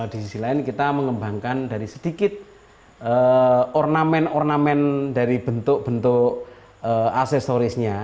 di sisi lain kita mengembangkan dari sedikit ornamen ornamen dari bentuk bentuk aksesorisnya